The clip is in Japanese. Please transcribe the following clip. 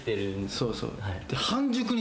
そうそう。